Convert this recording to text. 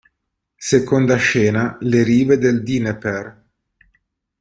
Seconda scena Le rive del Dnepr.